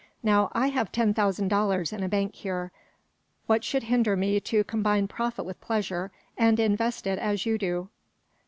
Now, I have ten thousand dollars in a bank here. What should hinder me to combine profit with pleasure, and invest it as you do?"